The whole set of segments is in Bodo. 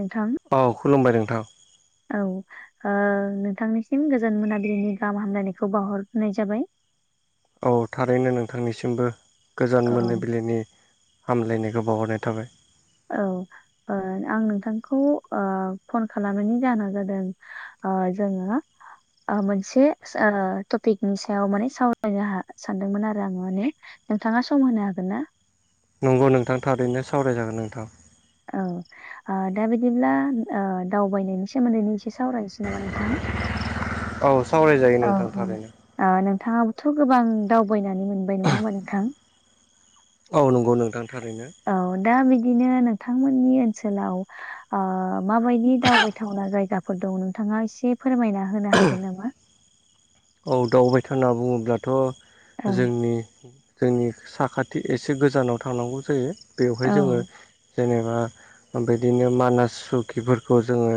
नोंथां औ खुलुमबाय नोंथां औ ओ नोंथांनिसिम गोजोन मोनाबिलिनि गाहाम हामलायनायखौ बावहरग्रोनाय जाबाय औ थारैनो नोंथांनिसिमबो गोजान औ मोनाबिलिनि हामलायनायखौ बावहरनाय थाबाय औ ओ आं नोंथांखौ ओ फन खालामनायनि जाहोना जादों ओ जोङो मोनसे ओ टपिकनि सायाव माने सावरायनो सानदोंमोन आरो आङो माने नोंथाङा सम होनो हागोन ना नंगौ नोंथां थारैनो सावराय जागोन नोंथां औ ओ दा बिदिब्ला दावबायनायनि सोमोन्दै एसे सावरायसै नामा नोंथां औ सावरायजायो औ नोंथां औ थारैनो ओ नोंथाङाबोथ' गोबां दावबायनानै मोनबाय नङा होमबा नोंथां औ नंगौ नोंथां थारैनो औ दा बिदिनो नोंथांमोननि ओनसोलाव ओ माबायदि दावबायथावना जायगाफोर दं नोंथाङा एसे फोरमायना होनो हागोन नामा औ दावबायथावना होनना औ बुङोब्लाथ' जोंनि जोंनि साखाथि एसे गोजानाव थांनांगौ जायो औ बेवहाय जोङो जेनेबा बिदिनो मानास सुखिफोरखौ जोङो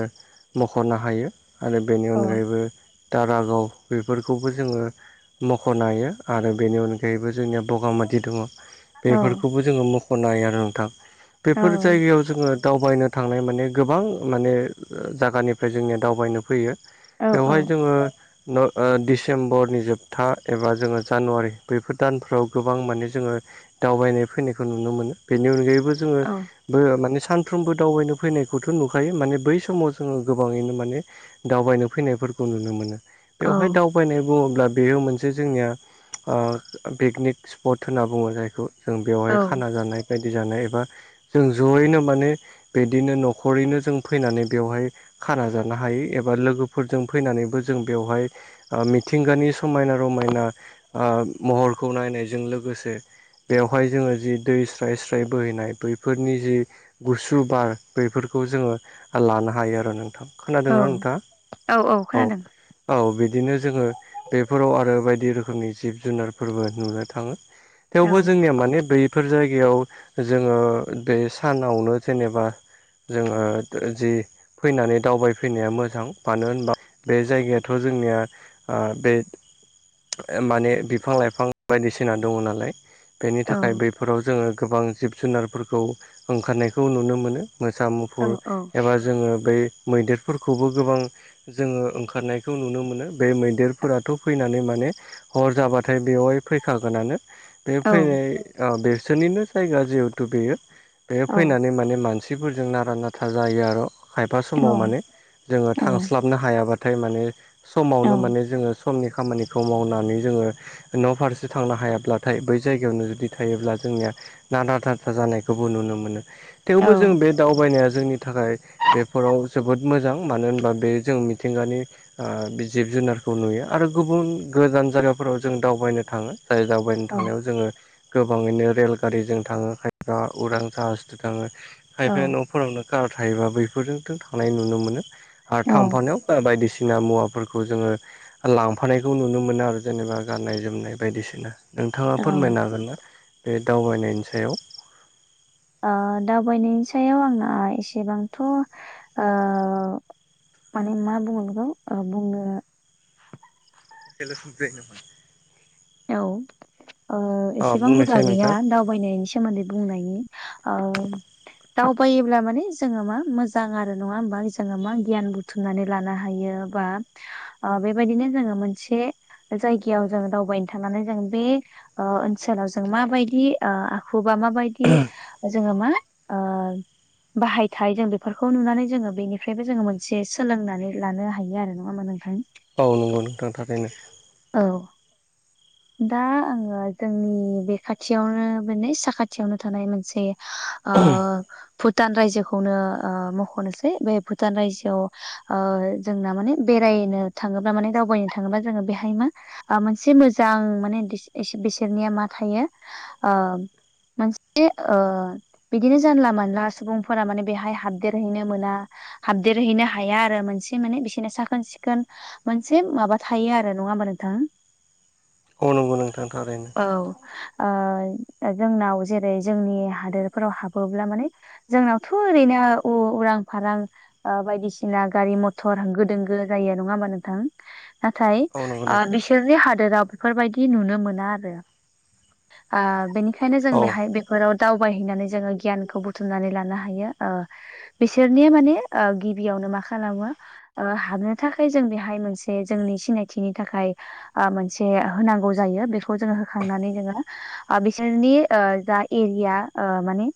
मख'नो हायो आरो बेनि औ अनगायैबो दारागाव बेफोरखौबो जोङो मख'नो हायो आरो बेनि अनगायैबो जोंनिया बगामाथे दङ औ बेफोरखौबो जोङो मख'नो हायो आरो नोंथां औ बेफोर जायगायाव जोङो दावबायनो थांनाय माने गोबां माने जायगानि जोंनिया दावबायनो फैयो बेवहाय जोङो डिसेम्बरनि जोबथा एबा जोङो जानुवारि बैफोर दानफ्राव गोबां माने जोङो दावबायनाय फैनायखौ नुनो मोनो बेनि अनगायैबो जोङो औ बो माने सानफ्रोमबो दावबायनो फैनायखौथ' नुखायो माने बै समाव जोङो गोबाङैनो माने दावबायनो फैनायफोरखौ नुनो मोनो बेवहाय दाव यनाय बुङोब्ला बेयो मोनसे जोंनिया पिकनिक सिफद होनना बुङो जायखौ जों बेवहाय औ खाना जानाय बायदि जानाय एबा जों जयैनो माने बिदिनो न'खरैनो जों फैनानै बेवहाय खाना जानो हायो एबा लोगोफोरजों फैनानैबो जों बेवहाय मिथिंगानि समायना रमायना महरखौ नायनायजों लोगोसे बेवहाय जोङो जि दै स्राय स्राय बोहैनाय बैफोरनि जि गुसु बार बेफोरखौ जोङो लानो हायो आरो नोंथां खोनादोंना औ औ नोंथांङा औ खोनादों औ बि दिनो जोङो बेफोराव आरो बायदि रोखोमनि जिब जुनारफोरबो नुनो थाङो औ थेवबो जोंनिया माने बैफोर जायगायाव जोङो बे सानावनो जेनेबा जोङो जि फैनानै दावबायफैनाया मोजां मानो होनबा बे जायगायाथ' जोंनिया। ओ बे माने बिफां लाइफां बायदिसिना दङ नालाय बेनि औ थाखाय बैफोराव जोङो गोबां जिब जुनारफोरखौ ओंखारनायखौ नुनो मोनो मोसा मु औ फुर औ एबा जोङो बै मैदेरफोरखौबो गोबां जोङो ओंखारनायखौ नुनो मोनो। बे मैदेरफोराथ' फैनानै माने हर जाबाथाय बेवहाय फैखागोनानो। बे फैनाय बेसोरनिनो जायगा जिहेथु बेयो बे औ फैनानै माने मानसि खथिफोरजों नारा नाथा जायो आरो खायफा समाव माने जोङो थांस्लाब हाबनो हायाब्लाथाय माने समावनो औ माने जोङो समनि खामानिखौ मावनानै जोङो। न' फारसे थांनो हायाब्लाथाय बै जायगायावनो जुदि थायोब्ला जोंनिया नाथा थाथा जानायखौबो नुनो मोनो थेवबो जों बे दावबायनाया जोंनि थाखाय। बेफोराव जोबोद मोजां मानो होनबा बे जों मिथिंगानि आ जिब जुनारखौ नुयो आरो गुबुन गोजान जायगाफोराव जों दावबायनो थाङो। जाय दावबायनो थांनायाव जोङो। गोबाङैनो रेलगारिजों थाङो खायफा उदां जाहाज थाङो खायफाया न' फोरावनो कार थायोबा बैफोरजोंथ थां नुनो मोनो आरो औ थाम्फानायाव बायदिसिना मुवाफोरखौ खौ जोङो लांफानायखौ नुनो मोनो आरो जेनेबा गाननाय जोमनाय बायदिसिना नोंथाङा फोरमायनो ओ हागोन ना बे दावबायनायनि सायाव आ दावबायनायनि सायाव आंना एसेबांथ' आ माने मा बुङो बेखौ आ बुङनो [inaudible] औ ओ अ एसेबां हुदा बुंनायसाय गैया नोंथां दा दैनायनि सोमोन्दै बुंनायनि औ दावबायोब्ला माने जोङो मा मोजां आरो नङा होमबा जोङो मा गियान बुथुम सुनानै लानो हायो बा आं बेबायदिनो जोङो मोनसे जायगायाव जों दावबायनो थांनानै जों बे ओ ओनसोलाव जों माबायदि आ खुबा माबायदि जोङो मा ओ बाहायथाय जों बेफोरखौ नुनानै जोङो बेनिफ्रायबो जोङो मोनसे सोलोंनानै लानो हायो आरो ना म मान थाय औ नंगौ नोंथां थाखायनो। औ दा आङो जोंनि बे खाथियावनो माने साखाथियावनो थानाय मोनसे ओ भुटान ओ रायजोखौनो मख'नोसै बे भुटान रायजोआव ओ जोंना माने बेरायनो थाङोब्ला माने दावबायनो थाङोब्ला जोङो बेहाय मा आ मोनसे मोजां माने बिस -बिस -बिसोरनिया मा थायो ओ मोनसे ओ बिदिनो जानला मानला सुबुंफोरा माने बेहाय हाबदेरहैनो मोना। हाबदेरहैनो हाया आरो मोनसे मोनाने बिसोरनो साखोन सिखोन मोनसे माबा थायो आरो नङा होमबा नोंथां? औ नंगौ नोंथां थारैनो। औ जोंनाव जेरै जोंनि हादोरफोराव हाबोब्ला माने जोंनावथ' ओरैनो उरां फारां ओ बायदिसिना गारि मथर होंगो दोंगो जायो नङा होमबा नोंथां? नाथाय औ नंगौ आं नोंथां बिसोरनि हादोराव बेफोरबायदि नुनो मोना आरो आ बेनिखायनो जों औ बेहाय फोराव दावबायहैनानै जोङो गियानखौ बुथुमनानै लानो हायो ओ बिसोरनि माने ओ गिबियावनो मा खालामो ओ हाबनो थाखाय जों बेहाय मोनसे जोंनि सिनायथिनि थाखाय ओ मोनसे जे होनांगौ जायो बेखौ जोङो होखांनानै जोङो बिसोरनि जा एरिया माने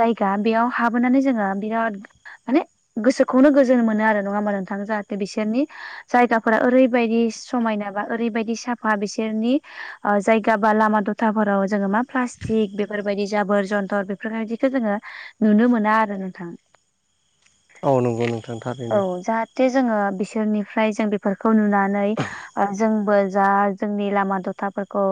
जायगा बेयाव हाबोनानै जोङो बिराद माने गोसोखौनो गोजोन मोनो आरो नङा होमबब्ला नोंथां जाहाथे बिसोरनि जायगाफोरा ओरैबायदि समायना बा ओरैबायदि साफा बिसोरनि जायगा बा लामा दथाफोराव जोङो मा प्लास्टिक बेफोरबायदि जाबोर जन्थर बेफोरबायदिखौ जोङो नुनो मोना आरो नोंथां। आ नंगौ नोंथां थारैनो। ज जे जोङो बिसोरनिफ्राय जों बेफोरखौ नुनानै जोंबो जा जोंनि लामा दथाफोरखौ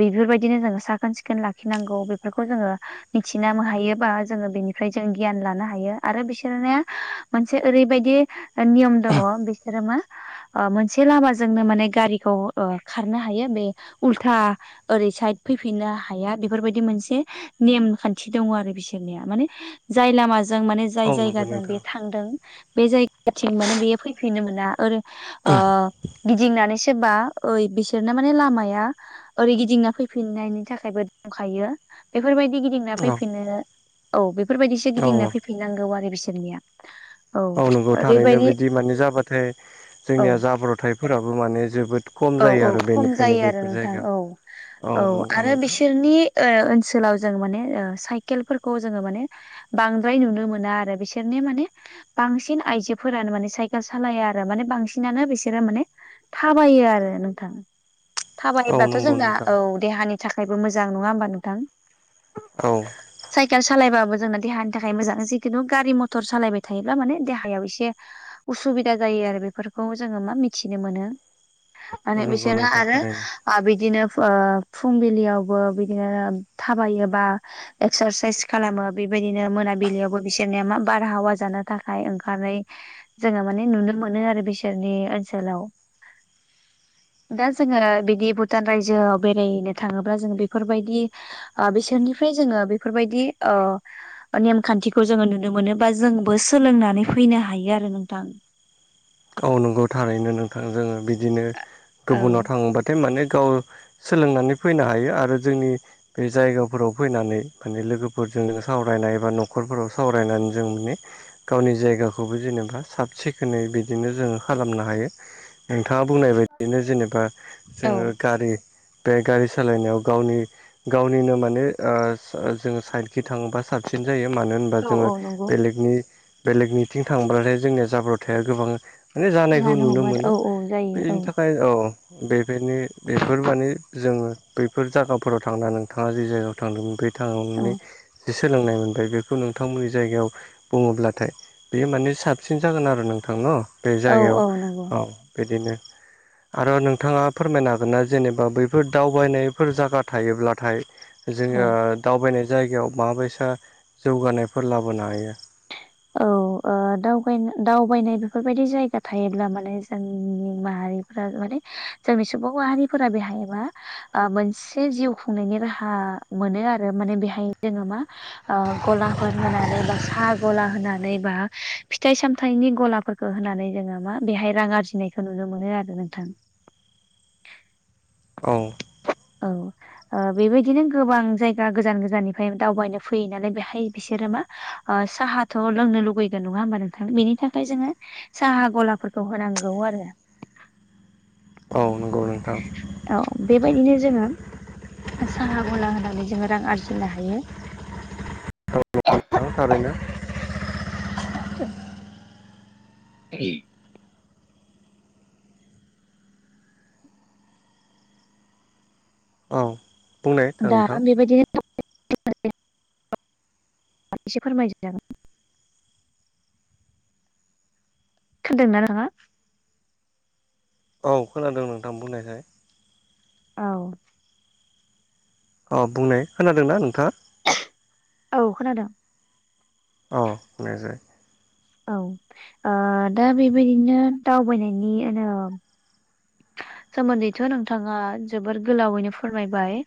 बेफोरबायदिनो जोङो साखोन सिखोन लाखिनांगौ बेफोरखौ जोङो मिथिना हायोबा जोङो बेनिफ्राय जों गियान लानो हायो आरो बिसोरनाय मोनसे ओरैबायदि नियम दङ बिसोरो मा मोनसे लामाजोंनो माने गारिखौ खारनो हायो बे उल्था ओरै साइद फैफिननो हाया बेफोरबायदि मोनसे नेम खान्थि दङ आरो बिसोरनिया माने जाय लामाजों माने औ जाय नंगौ जाया नोंथां बे थांदों बे ज थिं माने बेयो फैफिननो मोना आरोओ गिदिंनानै सोरबा ओइ बिसोरना माने लामाया। ओरै गिदिंना फैफिननायनि थाखायबो दंखायो बेफोरबायदि गिदिंना औ फैफिननो। औ बेफोरबायदिसो औ गिदिंना फैफिनांगौ आरो बिसोरनिया औ मावनांगौ थारैनो ओरैबायदि बिदि माने जाबाथाय औ जोंनिया जाब्रथायफोराबो माने जोबोद खम औ जायो औ आरो खम जायो बेनिखायनो आरो बेफोर नोंथां जायगायाव औ औ नंगौ आरो नोंथां बिसोरनि ओनसोलाव जों माने साइकेलफोरखौ जोङो माने बांद्राय नुनो मोना आरो बिसोरनि माने बांसिन आइजोफोरानो माने साइकेल सालाया आरो माने बांसिनानो बिसोरो माने थाबायो आरो नोंथां औ थाबायोब्लाथ' नंगौ जोंना नोंथां औ देहानि थाखायबो मोजां नङा होमबा नोंथां औ साइकेल सालायबाबो जोंना देहानि थाखाय मोजां जिखुनु गारि मथर सालायबाय थायोब्ला माने देहायाव एसे उसुबिदा जायो आरो बेफोरखौ जोङो मा मिथिनो मोनो माने नंगौ बिसोरनो नोंथां आरो थारैनो बिदिनो फुंबिलियावबो बिदिनो थाबायोबा एक्सारसाइस खालामो बेबायदिनो मोनाबिलियावबो बिसोरनिया मा बारहावा जानो थाखाय ओंखारै जोङो माने नुनो मोनो आरो बिसोरनि ओनसोलाव दा जोङो बिदि भुटान रायजोआव बेरायनो थाङोब्ला जोङो बेफोरबायदि बिसोरनिफ्राय जोङो बेफोरबायदि नेमखान्थिखौ जोङो नुनो मोनो बा जोंबो सोलोंनानै फैनो हायो आरो नोंथां गाव नंगौ थारैनो नोंथां जोङो बिदिनो औ गुबुनाव थाङोबाथाय माने गाव सोलोंनानै फैनो हायो आरो जोंनि बे जायगाफोराव फैनानै माने लोगोफोरजोंनो सावरायनाय एबा न'खरफोराव सावरायनानै जों माने। गावनि जायगाखौबो जेनेबा साब सिखोनै बिदिनो जोङो खालामनो हायो। नोंथाङा बुंनाय बायदियैनो जेनेबा औ जोङो गारि। बे गारि सालायनायाव गावनि गावनिनो माने। ओ जोङो साइडखि थाङोबा साबसिन जायो मानो होनबा औ जोङो औ नंगौ बेलेगनि बेलेगनिथिं थांब्लाथाय जोंनिया जाब्रथाया गोबां माने जानायखौ जानो नुनो हमो आरो मोनो औ औ जायो औ बेनि थाखाय औ बेफोरनि बेफोर माने जोङो बैफोर जागाफोराव थांना नोंथाङा जे जायगायाव थांदोंमोन बे औ थांनि जे सोलोंनाय मोनबाय बेखौ नोंथांमोननि जायगायाव बुङोब्लाथाय बेयो माने साबसिन जागोन आरो नोंथां न बे औ जायगायाव नंगौ औ। बिदिनो। आरो नोंथाङा फोरमायनो हागोनना जेनेबा बैफोर दावबायनायफोर जायगा थायोब्लाथाय जोङो औ दावबायनाय जायगायाव माबायसा जौगानायफोर लाबोनो हायो। औ। ओ दावबाय दावबायनाय बेफोरबायदि जायगा थायोब्ला माने जोंनि माहारिफ्रा माने जोंनि सुबुं माहारिफोरा बेहाय मा आ मोनसे जिउ खुंनायनि राहा मोनो आरो माने बेहाय जोङो मा ओ गलाफोर होनानै बा साहा गला होनानै बा फिथाइ सामथाइनि गलाफोरखौ होनानै जोङो मा बेहाय रां आरजिनाय खो नुनो मोनो आरो नोंथां। औ। [inaudible] औ। ओ बेबायदिनो गोबां जायगा गोजान गोजाननिफ्राय दावबायनो फैयो नालाय बेहाय बिसोरो मा ओ साहाथ' लोंनो लुुबैगोन नङा होमबा नोंथां बेनि थाखाय जोङो साहा गलाफोरखौ होनांगौ आरो। औ नंगौ नोंथां। औ बेबायदिनो जोङो साहा गला होनानै जोङो रां आरजिनो हायो। [unintelligible] नंगौ थारैनो। [unintelligible] [unintelligible] औ बुंनाय दा नोंथां बेबायदिनो [unintelligible] एसे फोरमायदो नों खोनादों ना नाङो? औ खोनादों नोंथां बुंनायसाय। औ। अ बुंनाय, खोनादोंना नोंथाङा? [unintelligible] औ खोनादों। अ बुंनायसाय। औ ओ दा बेबायदिनो दावबायनायनि ओ सोमोन्दैथ' नोंथाङा जोबोर गोलावैनो फोरमायबाय।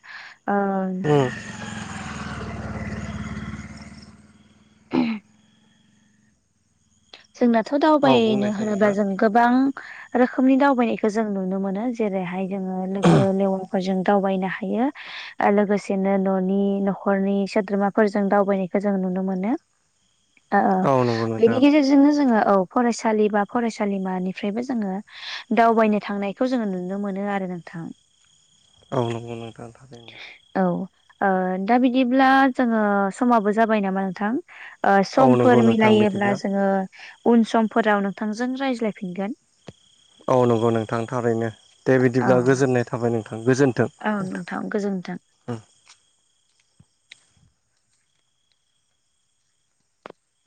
ओम। जोंनाथ' औ दावबायनो बुंनायसाय होनोबा नोंथां जों गोबां रोखोमनि दावबायनायखौ जों नुनो मोनो। जेरैहाय जोङो लोगो लेवाफोरजों दावबायनो हायो। ओ लोगोसेनो न'नि न'खरनि सोद्रोमाफोरजों दावबायनायखौ जों नुनो मोनो। ओ ओ औ नंगौ बेनि नोंथां गेजे रजोंनो जोङो औ फरायसालि बा फरायसालिमानिफ्रायबो जोङो दावबायनो थांनायखौ जोङो नुनो मोनो आरो नोंथां। औ नंगौ नोंथां थारैनो। औ ओ दा बिदिब्ला जोङो समाबो जाबाय नामा नोंथां? ओ औ नंगौ समफोर नोंथां मिलायोब्ला बिदिब्ला जो ङो उन समफोराव नोंथांजों रायज्लायफिनगोन। औ नंगौ नोंथां थारैनो। दे बिदिब्ला औ गोजोननाय थाबाय नोंथां गोजोन औ नोंथां गोजोन्थों।